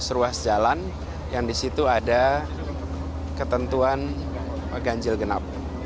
tiga belas ruas jalan yang disitu ada ketentuan ganjil genap